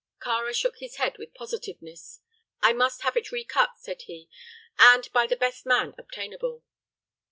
Kāra shook his head with positiveness. "I must have it recut," said he, "and by the best man obtainable."